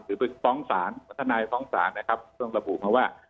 หรือไปฟ้องศาลทนายฟ้องศาลนะครับเพิ่งระบุมาว่า